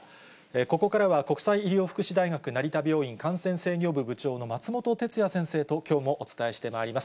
ここからは国際医療福祉大学成田病院感染制御部部長の松本哲哉先生ときょうもお伝えしてまいります。